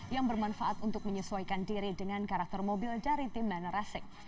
yang bermanfaat untuk menyesuaikan diri dengan karakter mobil dari tim mana racing